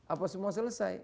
apa semua selesai